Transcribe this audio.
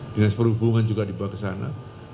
dinas perhubungan juga dibawa ke sana